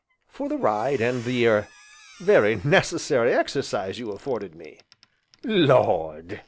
"For the ride, and the er very necessary exercise you afforded me." "Lord!"